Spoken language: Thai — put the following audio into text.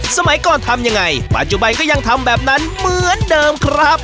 สมัยก่อนทำยังไงปัจจุบันก็ยังทำแบบนั้นเหมือนเดิมครับ